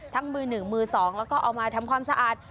มือหนึ่งมือสองแล้วก็เอามาทำความสะอาด